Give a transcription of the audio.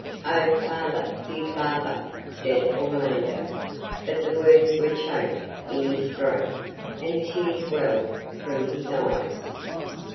"Oh, father dear father!" said Orlando, but the words were choked in his throat, and tears welled from his eyes.